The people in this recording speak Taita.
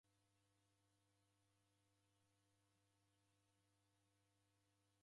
Wadarume kufuma uw'urie mkongo.